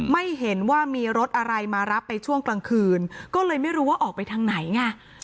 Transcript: ไม่เห็นว่ามีรถอะไรมารับไปช่วงกลางคืนก็เลยไม่รู้ว่าออกไปทางไหนไง